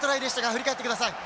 振り返ってください。